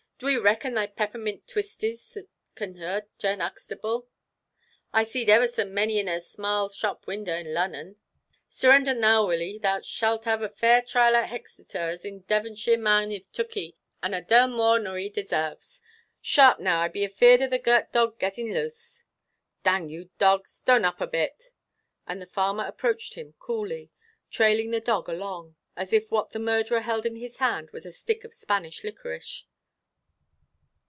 Do e reckon they peppermint twistesses can hurt Jan Uxtable? I seed ever so many in a smarl shop window to Lunnon. Surrender now wull e, thou shalt have fair traial to Hexeter, as a Davonshire man have took e, and a dale more nor e desarves. Sharp now: I be afeared of the girt dog getting loose. Dang you dog. Ston up a bit." And the farmer approached him coolly, trailing the dog along; as if what the murderer held in his hand was a stick of Spanish liquorice.